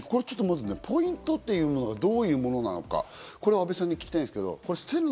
ポイントというものがどういうものなのか、阿部さんに聞きたいんですけど。